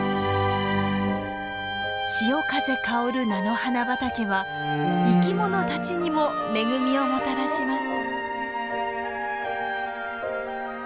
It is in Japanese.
潮風香る菜の花畑は生きものたちにも恵みをもたらします。